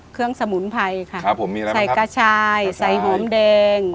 เครื่องสมุนไพรค่ะครับผมมีอะไรบ้างครับใส่กระชายใส่หอมเดง